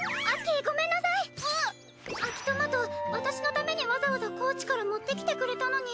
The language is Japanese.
秋トマト私のためにわざわざ高知から持ってきてくれたのに。